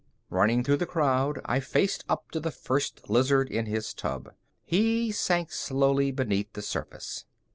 Running through the crowd, I faced up to the First Lizard in his tub. He sank slowly beneath the surface.